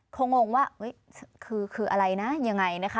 คงงว่าคืออะไรนะยังไงนะคะ